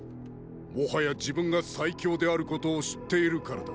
もはや自分が最強であることを知っているからだ。